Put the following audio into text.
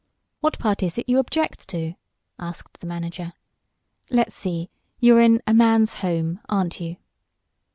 "What part is it you object to?" asked the manager. "Let's see, you're in 'A Man's Home;' aren't you?"